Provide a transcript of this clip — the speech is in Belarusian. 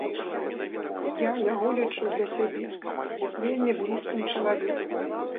Я яго лічу для сябе вельмі блізкім чалавекам.